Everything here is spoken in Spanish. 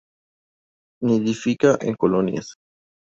Nidifica en colonias.